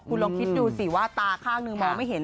คุณลองคิดดูสิว่าตาข้างหนึ่งมองไม่เห็น